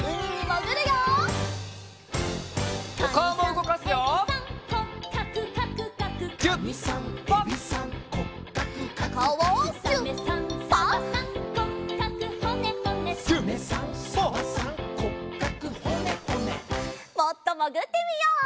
もっともぐってみよう。